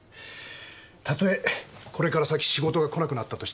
たとえこれから先仕事が来なくなったとしてもな。